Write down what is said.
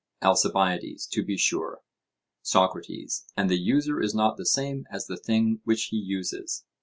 ALCIBIADES: To be sure. SOCRATES: And the user is not the same as the thing which he uses?